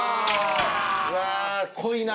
うわー濃いな！